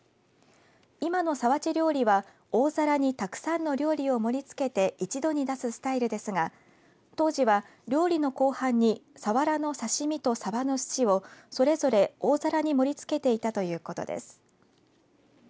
今の皿鉢料理は大皿にたくさんの料理を盛りつけて一度に出すスタイルですが当時は、料理の後半にサワラの刺し身とさばのすしをそれぞれ大皿に盛りつけていたということです。